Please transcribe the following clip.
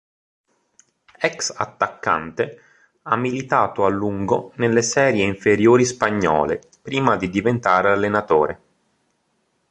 Ex attaccante, ha militato a lungo nelle serie inferiori spagnole, prima di diventare allenatore.